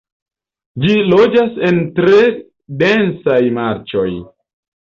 Ĝi loĝas en tre densaj marĉoj.